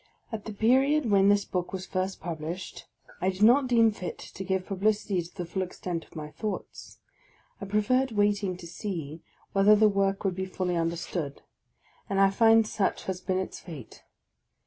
At the time wrhen this book was first published, I did not deem fit to give publicity to the full extent of my thoughts; I preferred wraiting to see whether the work would be fully understood, and I find such has been its fate.